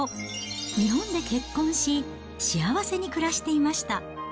日本で結婚し、幸せに暮らしていました。